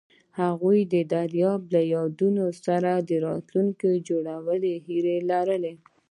هغوی د دریاب له یادونو سره راتلونکی جوړولو هیله لرله.